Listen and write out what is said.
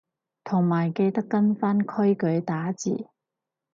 同埋記得跟返規矩打字